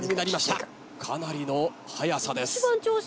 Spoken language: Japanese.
かなりの速さです。